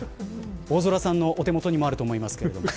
大空さんのお手元にもあると思いますが。